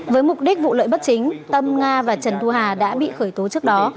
với mục đích vụ lợi bất chính tâm nga và trần thu hà đã bị khởi tố trước đó